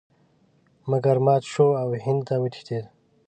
مګر مات شو او هند ته وتښتېد.